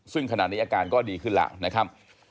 ซึ่งขณะนี้อาการก็ดีขึ้นแล้วนะครับ